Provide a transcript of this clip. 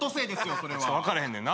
それは分からへんねんな